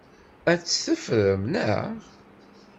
Ad t-teffrem, naɣ?